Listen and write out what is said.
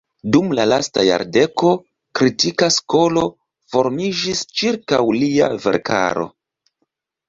Dum la lasta jardeko kritika skolo formiĝis ĉirkaŭ lia verkaro.